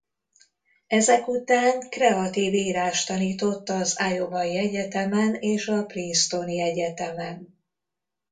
Ezek után kreatív írást tanított az Iowai Egyetemen és a Princetoni Egyetemen.